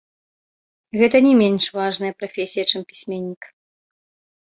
Гэта не менш важная прафесія, чым пісьменнік.